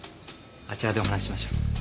あちらでお話しましょう。